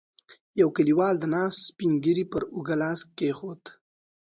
يوه کليوال د ناست سپين ږيری پر اوږه لاس کېښود.